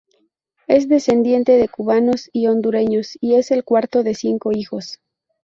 Es descendiente de cubanos y hondureños y es el cuarto de cinco hijos.